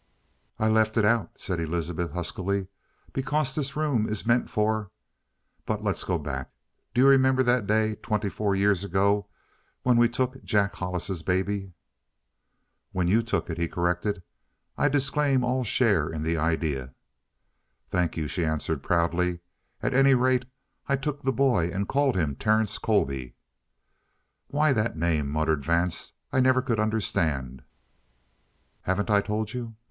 "I left it out," said Elizabeth huskily, "because this room is meant for but let's go back. Do you remember that day twenty four years ago when we took Jack Hollis's baby?" "When you took it," he corrected. "I disclaim all share in the idea." "Thank you," she answered proudly. "At any rate, I took the boy and called him Terence Colby." "Why that name," muttered Vance, "I never could understand." "Haven't I told you?